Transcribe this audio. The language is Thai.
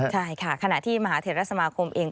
ใช่ค่ะขณะที่มหาเทศสมาคมเอง